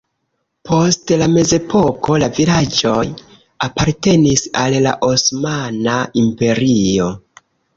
Post la mezepoko la vilaĝoj apartenis al la Osmana Imperio.